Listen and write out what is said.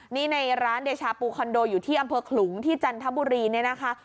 นี่ในร้านเดชาปูคอนโดอยู่ที่อำเภอขลุงที่จันทบุรีเนี่ยนะคะ